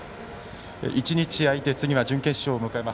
１日空いて次は準決勝迎えます。